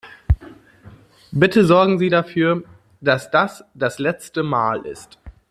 Bitte sorgen Sie dafür, dass das das letzte Mal ist!